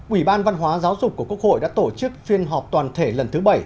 ủy ban văn hóa giáo dục của quốc hội đã tổ chức phiên họp toàn thể lần thứ bảy